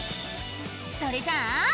それじゃあ！